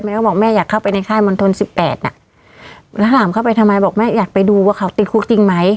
ก็บอกแม่อยากเข้าไปในค่ายมณฑลสิบแปดน่ะแล้วถามเข้าไปทำไมบอกแม่อยากไปดูว่าเขาติดคุกจริงไหม